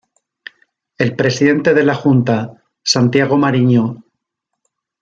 El presidente de la Junta: Santiago Mariño.